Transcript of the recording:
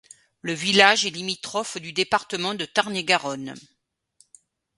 Le village est limitrophe du département de Tarn-et-Garonne.